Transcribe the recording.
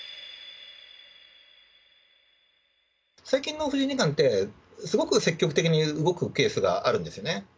最近の藤井二冠って、すごく積極的に動くケースがあるんですね。